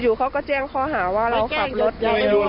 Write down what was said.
อยู่เขาก็แจ้งข้อหาว่าเราขับรถ